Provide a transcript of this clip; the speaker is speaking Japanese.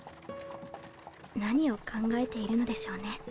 何を考えているのでしょうね。